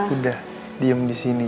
udah diam di sini